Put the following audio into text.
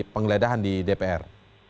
penggeledahan di dpr